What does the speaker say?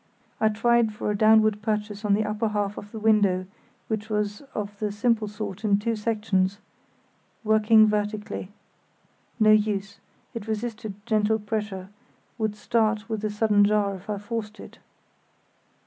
I tried for a downward purchase on the upper half of the window, which was of the simple sort in two sections, working vertically. No use; it resisted gentle pressure, would start with a sudden jar if I forced it.